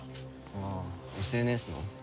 ああＳＮＳの？